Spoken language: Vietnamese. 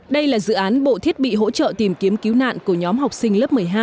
đây là dự án bộ thiết bị hỗ trợ tìm kiếm cứu nạn của nhóm học sinh lớp một mươi hai